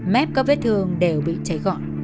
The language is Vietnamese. mép các vết thương đều bị cháy gọn